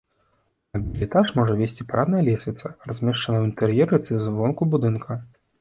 На бельэтаж можа весці парадная лесвіца, размешчаная ў інтэр'еры ці звонку будынка.